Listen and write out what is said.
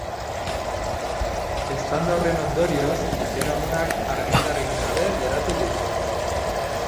Eztanda horren ondorioz, bizilagunak argindarrik gabe geratu dira.